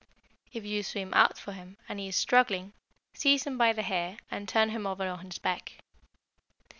If you swim out for him, and he is struggling, seize him by the hair and turn him over on his back.